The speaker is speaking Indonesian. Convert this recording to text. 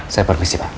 saya permisi pak